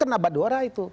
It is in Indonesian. kena badora itu